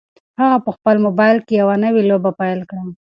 هغه په خپل موبایل کې یوه نوې لوبه پیل کړه.